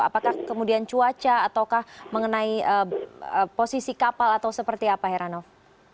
apakah kemudian cuaca ataukah mengenai posisi kapal atau seperti apa heranov